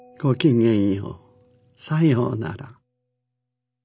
さようなら。